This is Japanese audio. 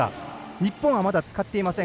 日本は、まだ使っていません。